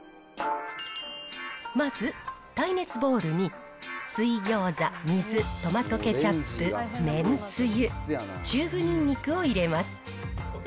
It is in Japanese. まず、耐熱ボウルに水餃子、水、トマトケチャップ、めんつゆ、チューブニンニクを入れます。